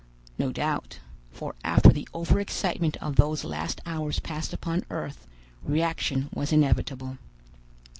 No doubt; for after the over excitement of those last hours passed upon earth, reaction was inevitable.